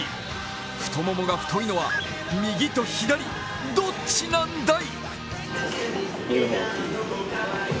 太ももが太いのは右と左、どっちなんだい！